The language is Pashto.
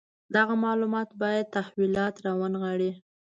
دغه معلومات باید تحولات راونغاړي.